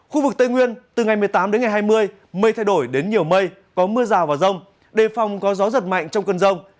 khu vực tây nguyên từ ngày một mươi tám đến ngày hai mươi mây thay đổi đến nhiều mây có mưa rào và rông đề phòng có gió giật mạnh trong cơn rông